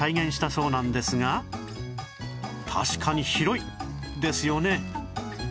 確かに広いですよね